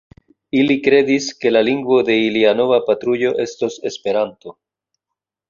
Ili kredis, ke la lingvo de ilia nova patrujo estos Esperanto.